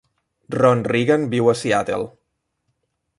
Ron Reagan viu a Seattle.